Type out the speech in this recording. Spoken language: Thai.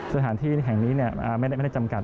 สถานที่แห่งนี้ไม่ได้จำกัด